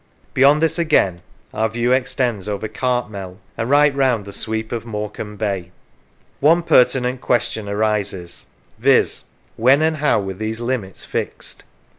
Beyond this again our view extends over Cartmel and right round the sweep of More cambe Bay. One pertinent question arises viz., When and how were these limits fixed?